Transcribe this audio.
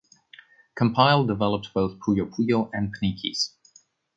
Compile developed both "Puyo Puyo" and "Pnickies".